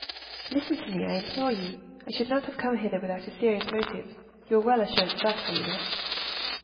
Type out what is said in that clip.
"Listen to me, I implore you: I should not have come hither without a serious motive: you are well assured of that, are you not?"